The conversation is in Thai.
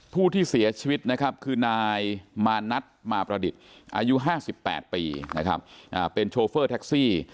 ผู้ที่เสียชีวิตนะครับคือนายมานัทมาประดิษฐ์อายุ๕๘ปีนะครับเป็นโชเฟอร์แท็กซี่